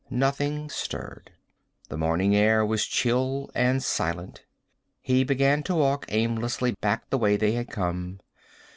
Nothing stirred. The morning air was chill and silent. He began to walk aimlessly back the way they had come.